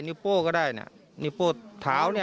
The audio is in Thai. นิ้วโป้ก็ได้นี่นิ้วโป้เท้านี่